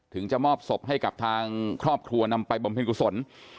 จะมอบศพให้กับทางครอบครัวนำไปบำเพ็ญกุศล